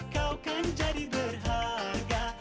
kau kan jadi berharga